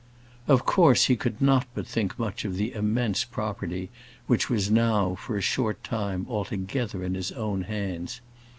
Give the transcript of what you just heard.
Of course he could not but think much of the immense property which was now, for a short time, altogether in his own hands.